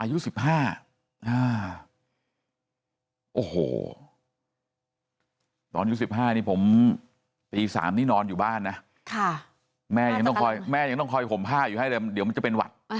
อายุ๑๕โอ้โหตอนอายุ๑๕นี่ผมตี๓นี่นอนอยู่บ้านนะแม่ยังต้องคอยแม่ยังต้องคอยห่มผ้าอยู่ให้เลยเดี๋ยวมันจะเป็นหวัด